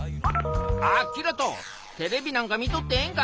あっキラトテレビなんか見とってええんか？